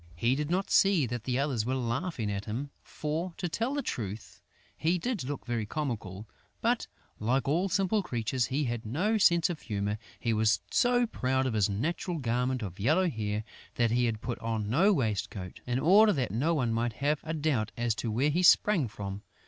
He did not see that the others were laughing at him, for, to tell the truth, he did look very comical; but, like all simple creatures, he had no sense of humour. He was so proud of his natural garment of yellow hair that he had put on no waistcoat, in order that no one might have a doubt as to where he sprang from.